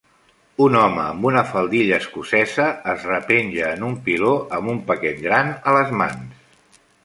Un home amb una faldilla escocesa es repenja en un piló amb un paquet gran a les mans.